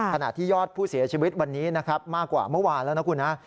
ขณะที่ยอดผู้เสียชีวิตวันนี้นะครับมากกว่าเมื่อวานแล้วนะคุณนะ